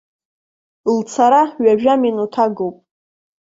Лцара ҩажәа минуҭ агуп.